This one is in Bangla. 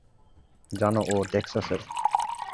জানো, ও টেক্সাসের।